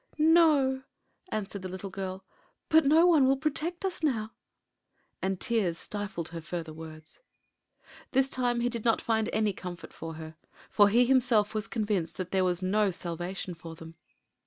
"No," answered the little girl, "but no one will protect us now " And tears stifled her further words. This time he did not find any comfort for her, for he himself was convinced that there was no salvation for them.